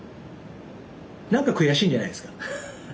なんか悔しいんじゃないですか。